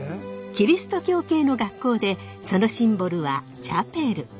キリスト教系の学校でそのシンボルはチャペル。